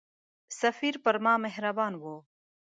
سفیر پر ما مهربان وو.